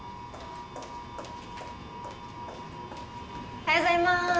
おはようございます。